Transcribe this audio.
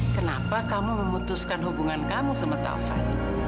kenapa kamu memutuskan hubungan kamu sama taufan